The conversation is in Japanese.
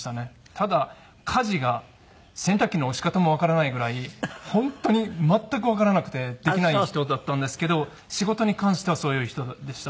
ただ家事が洗濯機の押し方もわからないぐらい本当に全くわからなくてできない人だったんですけど仕事に関してはそういう人でした。